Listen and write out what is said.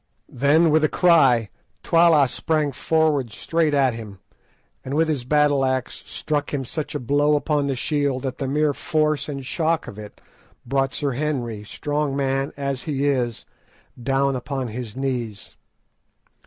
Then, with a cry, Twala sprang forward straight at him, and with his battle axe struck him such a blow upon the shield that the mere force and shock of it brought Sir Henry, strong man as he is, down upon his knees.